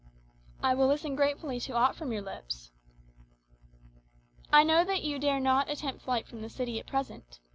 "I will listen gratefully to aught from your lips." "I know that you dare not attempt flight from the city at present.